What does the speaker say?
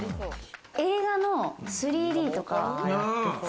映画の３Ｄとか。